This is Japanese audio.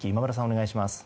お願いします。